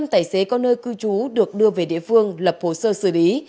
năm tài xế có nơi cư trú được đưa về địa phương lập hồ sơ xử lý